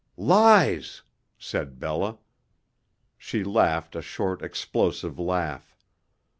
"Lies," said Bella. She laughed a short, explosive laugh.